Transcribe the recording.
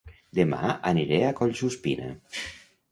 Dema aniré a Collsuspina